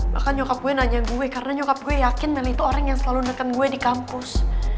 bahkan nyokap gue nanya gue karena nyokap gue yakin dan itu orang yang selalu nekat gue di kampus